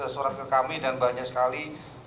surat ke kami dan banyak sekali